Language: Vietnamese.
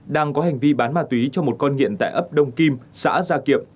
đang có hành vi bán ma túy cho một con nghiện tại ấp đông kim xã gia kiệm